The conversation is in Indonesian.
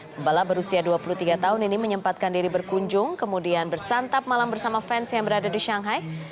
pembalap berusia dua puluh tiga tahun ini menyempatkan diri berkunjung kemudian bersantap malam bersama fans yang berada di shanghai